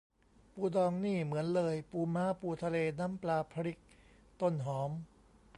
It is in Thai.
ปูดองนี่เหมือนเลย ปูม้า ปูทะเล น้ำปลา พริก ต้นหอม